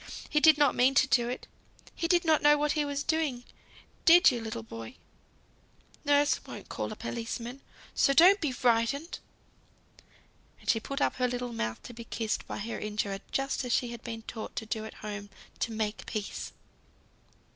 He did not mean to do it. He did not know what he was doing, did you, little boy? Nurse won't call a policeman, so don't be frightened." And she put up her little mouth to be kissed by her injurer, just as she had been taught to do at home to "make peace."